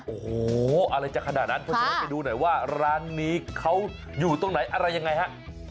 โอ้โหอะไรจะขนาดนั้นเพราะฉะนั้นไปดูหน่อยว่าร้านนี้เขาอยู่ตรงไหนอะไรยังไงฮะ